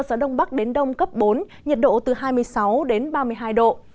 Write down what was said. do đông bắc đến đông cấp bốn nhiệt độ từ hai mươi sáu ba mươi hai độ